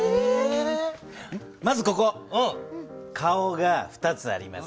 まずここ顔が２つあります。